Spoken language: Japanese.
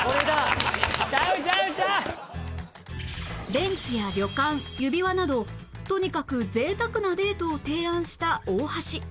ベンツや旅館指輪などとにかく贅沢なデートを提案した大橋